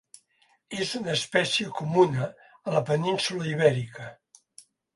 És una espècie comuna a la península Ibèrica.